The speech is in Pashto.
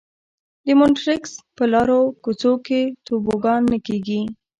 د مونټریکس په لارو کوڅو کې توبوګان نه کېږي.